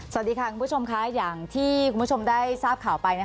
สวัสดีค่ะคุณผู้ชมค่ะอย่างที่คุณผู้ชมได้ทราบข่าวไป